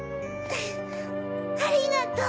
ありがとう！